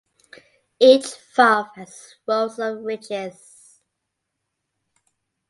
Each valve has rows of ridges.